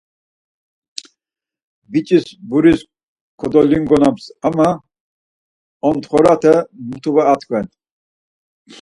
Biç̌is guris kodolingonams ama onğxorete mutu var atkven.